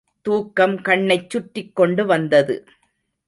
தூக்கம் கண்ணைச் சுற்றிக்கொண்டு வந்தது.